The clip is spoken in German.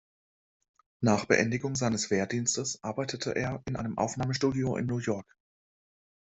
Nach Beendigung seines Wehrdienstes arbeitete er bei einem Aufnahmestudio in New York.